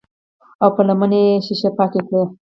او پۀ لمنه يې شيشې پاکې کړې